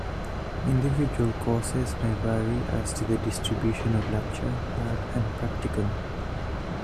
Individual courses may vary as to the distribution of lecture, lab and practicum.